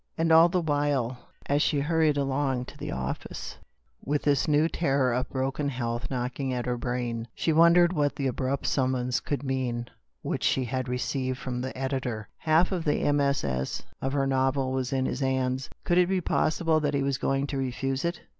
And all the while, as she hurried along to the office of IUustration8 } with this new terror of broken health knock ing at her brain, she wondered what the abrupt summons could mean which she had received from the editor. Half of the MS. of her novel was in his hands. Could it be possible that he was going to refuse it